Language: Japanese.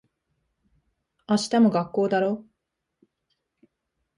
明日も学校だろ。